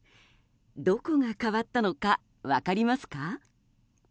どこが変わったのか分かりますか？